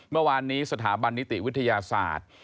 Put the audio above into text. เมื่อวานนี้สถาบันนิติวิทยาศาสตร์